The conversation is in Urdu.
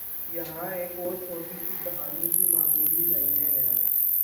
یہاں ایک اور چھوٹی سی کہانی کی معمولی لائنیں ہیں